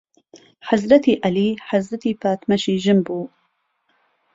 حەزرەتی عەلی حەزرەتی فاتمەشی ژن بو